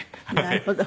なるほど。